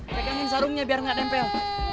pegangin sarungnya biar gak dempel